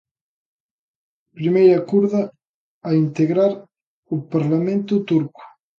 Primeira kurda a integrar o Parlamento Turco.